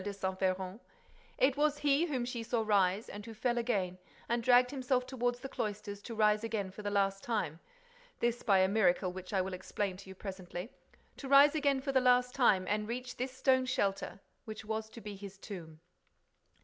de Saint Véran; it was he whom she saw rise and who fell again and dragged himself toward the cloisters to rise again for the last time—this by a miracle which I will explain to you presently—to rise again for the last time and reach this stone shelter—which was to be his tomb."